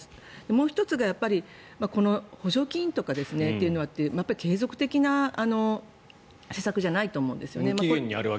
もう１つがこの補助金というのはやっぱり継続的な施策じゃないと思うんですよね。